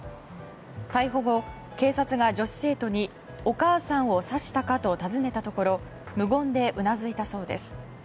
逮捕後、警察が女子生徒にお母さん刺したかと尋ねたところ無言でうなずいたそうです。